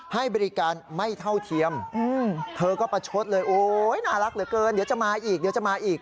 ให้บริการไม่เท่าเทียมเธอก็ประชดเลยโอ๊ยน่ารักเหลือเกินเดี๋ยวจะมาอีกเดี๋ยวจะมาอีก